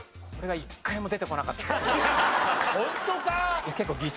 これは一回も出てこなかった。